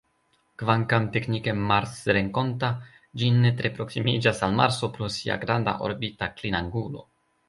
Kvankam teknike marsrenkonta, ĝi ne tre proksimiĝas al Marso pro sia granda orbita klinangulo.